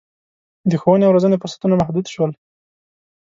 د ښوونې او روزنې فرصتونه محدود شول.